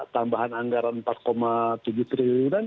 tambahan anggaran empat tujuh triliunan